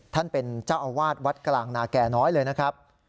ท่านเป็นเจ้าอาวาสวัดกลางนาแก่น้อยเลยนะครับ